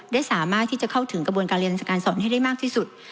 ได้สามารถที่จะเข้าถึงกระบวนการเรียนการสอนให้ได้มากที่สุด